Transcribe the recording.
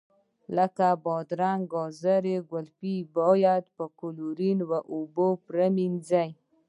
لکه بادرنګ، ګازرې او ګلپي باید په کلورین اوبو پرېمنځئ.